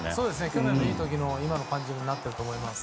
去年のいい時の感じになっていると思います。